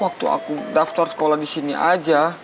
waktu aku daftar sekolah di sini aja